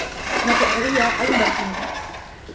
Na ferraría hai un barquín.